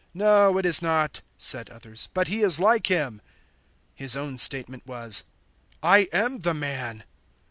"No it is not," said others, "but he is like him." His own statement was, "I am the man."